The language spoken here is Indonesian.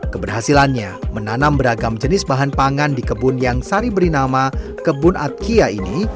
keberhasilannya menanam beragam jenis bahan pangan di kebun yang sari beri nama kebun atkia ini